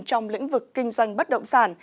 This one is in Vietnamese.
trong lĩnh vực kinh doanh bất động sản